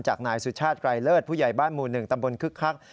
นายสุชาติไกรเลิศผู้ใหญ่บ้านหมู่๑ตำบลคึกคัก